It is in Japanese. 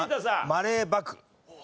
マレーバク。